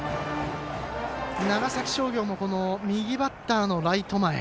長崎商業も右バッターのライト前。